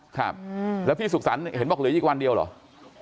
ครับแล้วพี่สุขสรรค์เห็นบอกเหลืออีกวันเดียวเหรอ